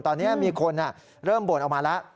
ตอนนี้มีคนเริ่มบ่นออกมาแล้ว